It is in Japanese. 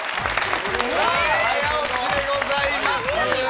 早押しでございます。